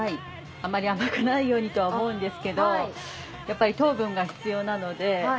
あまり甘くないようにとは思うんですけどやっぱりあららららら。